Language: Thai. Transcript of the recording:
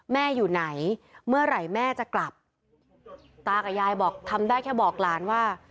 แม่อยู่ไหนเมื่อไหร่แม่จะกลับตากับยายบอกทำได้แค่บอกหลานว่า